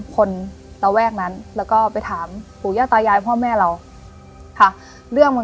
คนนี้อยู่